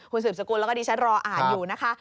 คุณสืบสกุลแล้วก็ดิฉันรออ่านอยู่นะคะ